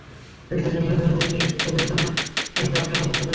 তাই দেশের মেধাবী মেয়ে শিক্ষার্থীদের জন্য চালু করা হয়েছে আরশাদ আহমেদ মেধাবৃত্তি।